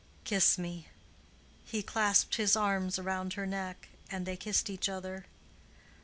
Kiss me." He clasped his arms round her neck, and they kissed each other.